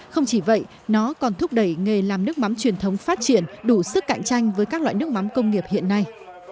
không chỉ vậy nó còn thúc đẩy nghề làm nước mắm truyền thống phát triển đủ sức cạnh tranh với các loại nước mắm công nghiệp hiện nay